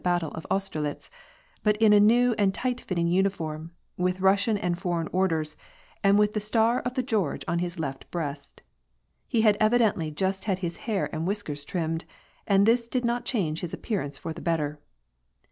battle of Austerlitz, but in a new and tight fitting uniform, with Russian and foreign * orders, and with the star of the Creorge on his left breast. He had evi dently just had his hair and whiskers trimmed, and this did not change his appearance for the better.